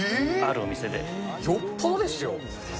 よっぽどですよ。